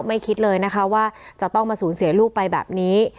คิดเลยนะคะว่าจะต้องมาสูญเสียลูกไปแบบนี้